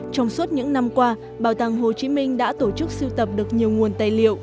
trong suốt những năm qua bảo tàng hồ chí minh đã tổ chức siêu tập được nhiều nguồn tài liệu